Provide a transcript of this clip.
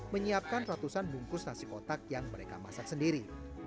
menyiapkan ratusan bungkus nasi kotak yang mereka masak sendiri